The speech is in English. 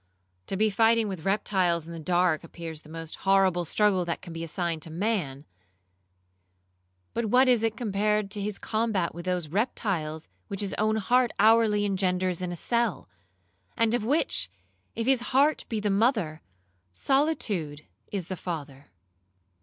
To be fighting with reptiles in the dark appears the most horrible struggle that can be assigned to man; but what is it compared to his combat with those reptiles which his own heart hourly engenders in a cell, and of which, if his heart be the mother, solitude is the father.